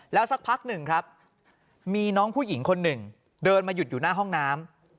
แล้วสักพักหนึ่งครับมีน้องผู้หญิงคนหนึ่งเดินมาหยุดอยู่หน้าห้องน้ำ